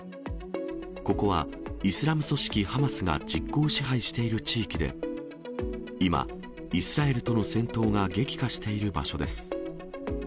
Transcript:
ここはイスラム組織、ハマスが実効支配している地域で、今、イスラエルとの戦闘が激化している場所です。